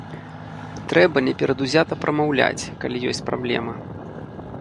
Трэба неперадузята прамаўляць, калі ёсць праблема.